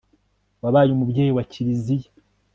wabaye umubyeyi wa kiliziya